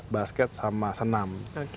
basket sama senam